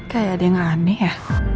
kayak dia gak aneh ya